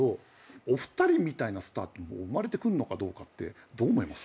お二人みたいなスターって生まれてくるのかどうかってどう思います？